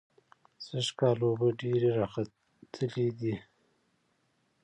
سږکال اوبه ډېرې راخلتلې دي.